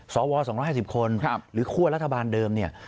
สว๒๕๐คนหรือคั่วรัฐบาลเดิมเนี่ย